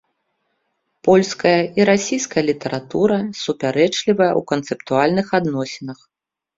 Польская і расійская літаратура, супярэчлівая ў канцэптуальных адносінах.